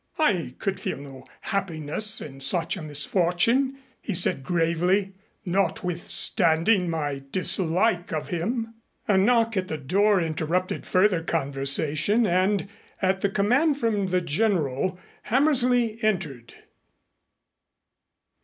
"I could feel no happiness in such a misfortune," he said gravely, "notwithstanding my dislike of him." A knock at the door interrupted further conversation and, at a command from the General, Hammersley entered.